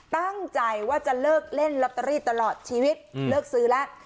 ตั้งใจว่าจะเลิกเล่นลอตเตอรี่ตลอดชีวิตเลิกซื้อแล้ว